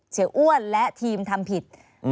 อ้วนและทีมทำผิด